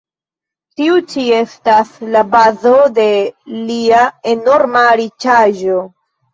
Tiu ĉi estas la bazo de lia enorma riĉaĵo.